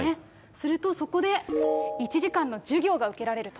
すると、そこで１時間の授業が受けられると。